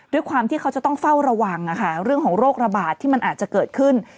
ด้วยความที่เขาจะต้องเฝ้าระวังเรื่องของโรคระบาดที่มันอาจจะเกิดขึ้น